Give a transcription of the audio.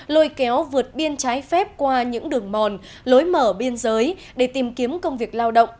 lôi kéo vượt biên trái phép qua những đường mòn lối mở biên giới để tìm kiếm công việc lao động